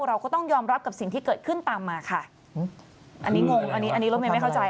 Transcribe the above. เราก็ต้องยอมรับกับสิ่งที่เกิดขึ้นตามมาค่ะอันนี้งงอันนี้อันนี้รถเมย์ไม่เข้าใจ